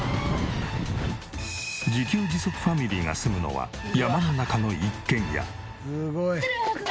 自給自足ファミリーが住むのは山の中の一軒家。